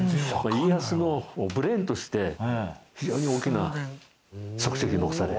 家康のブレーンとして非常に大きな足跡を残され。